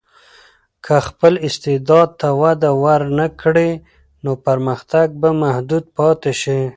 که خپل استعداد ته وده ورنکړې، نو پرمختګ به محدود پاتې شي.